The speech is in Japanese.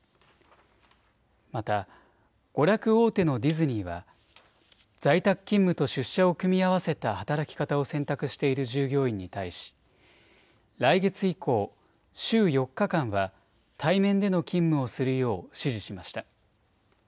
また娯楽大手のディズニーは在宅勤務と出社を組み合わせた働き方を選択している従業員に対し来月以降、週４日間は対面での勤務をするよう指示しました。